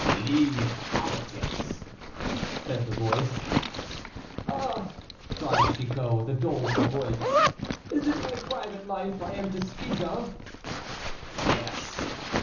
"Leave politics," said the voice. "Ah!" cried Chicot, with a doleful voice, "is it my private life I am to speak of?" "Yes."